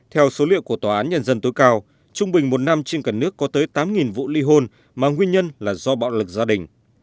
theo số liệu của tòa án nhân dân tối cao trung bình một năm trên cả nước có tới tám vụ ly hôn mà nguyên nhân là do bạo lực gia đình